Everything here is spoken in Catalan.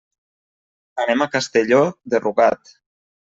Anem a Castelló de Rugat.